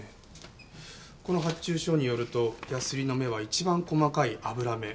この発注書によるとヤスリの目は一番細かい「油目」。